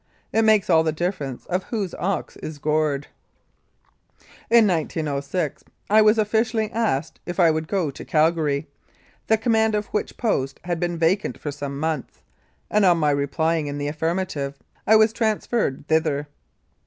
It makes all the difference whose ox is gored. In 1906 I was officially asked if I would like to go to Calgary, the command of which post had been vacant for some months, and on my replying in the affirmative I was transferred thither.